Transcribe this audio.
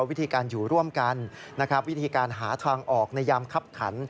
วิธีการอยู่ร่วมกันนะครับวิธีการหาทางออกในยามคับขัน